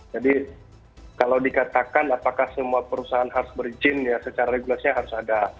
jadi kalau dikatakan apakah semua perusahaan harus berizin ya secara regulasinya harus ada